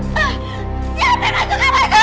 siapa yang masuk ke kamar itu